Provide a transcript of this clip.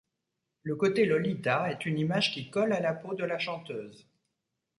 Le côté Lolita est une image qui colle à la peau de la chanteuse.